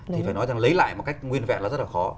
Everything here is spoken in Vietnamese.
thì phải nói rằng lấy lại một cách nguyên vẹn là rất là khó